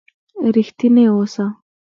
رښتينی اوسه